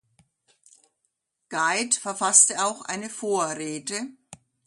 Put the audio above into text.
Gide verfasste auch eine Vorrede.